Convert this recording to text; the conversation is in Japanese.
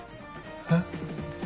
えっ？